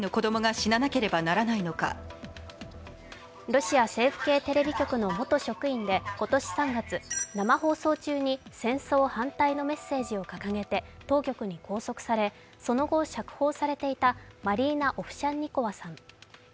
ロシア政府系テレビ局の元職員で今年３月、生放送中に戦争反対のメッセージを掲げて当局に拘束され、その後、釈放されていたマリーナ・オフシャンニコワさん。